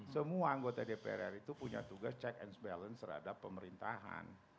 semua anggota dpr ri itu punya tugas check and balance terhadap pemerintahan